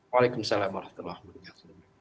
waalaikumsalam warahmatullahi wabarakatuh